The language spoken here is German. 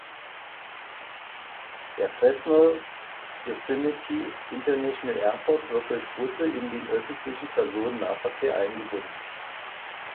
Der Fresno Yosemite International Airport wird durch Busse in den Öffentlichen Personennahverkehr eingebunden.